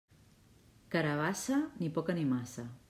Carabassa, ni poca ni massa.